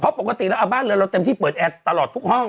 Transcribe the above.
เพราะปกติแล้วบ้านเรือนเราเต็มที่เปิดแอร์ตลอดทุกห้อง